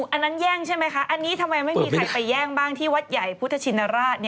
อันนั้นแย่งใช่ไหมคะอันนี้ทำไมไม่มีใครไปแย่งบ้างที่วัดใหญ่พุทธชินราช